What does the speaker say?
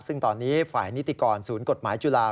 ซึ่งตอนนี้ฝ่ายนิติกรศูนย์กฎหมายจุฬา